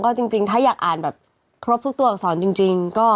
จริงถ้าอยากอ่านแบบครบทุกตัวอักษรจริงก็